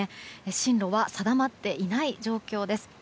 進路は定まっていない状況です。